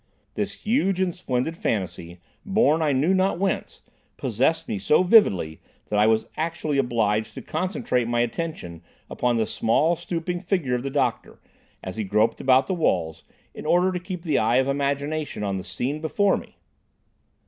This huge and splendid fantasy, borne I knew not whence, possessed me so vividly that I was actually obliged to concentrate my attention upon the small stooping figure of the doctor, as he groped about the walls, in order to keep the eye of imagination on the scene before me.